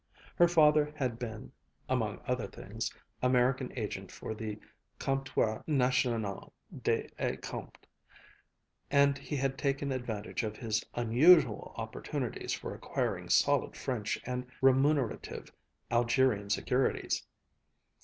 Her father had been (among other things) American agent for the Comptoir National des Escomptes, and he had taken advantage of his unusual opportunities for acquiring solid French and remunerative Algerian securities.